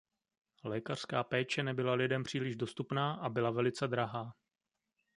Lékařská péče nebyla lidem příliš dostupná a byla velice drahá.